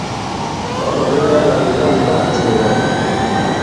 Ɔ̌ kɔ̀ŋge ɓɛɛlà nì la ndì ɓa kà-dìŋ wɛ̀?